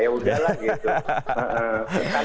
ya udahlah gitu